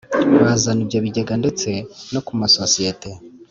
Bazana ibyo bigega ndetse no ku masosiyete